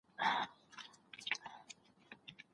ډېر چاڼ تل د لوړ ږغ سره دلته راوړل کیږي.